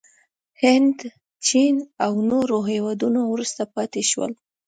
هند، چین او نور هېوادونه وروسته پاتې شول.